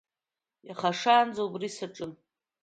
Иаха шаанӡа убри саҿын.